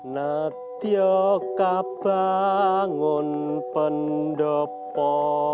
nanti aku bangun pendopo